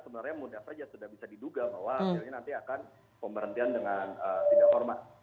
sebenarnya mudah saja sudah bisa diduga bahwa hasilnya nanti akan pemberhentian dengan tidak hormat